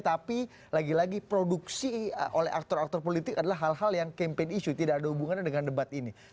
tapi lagi lagi produksi oleh aktor aktor politik adalah hal hal yang campaign isu tidak ada hubungannya dengan debat ini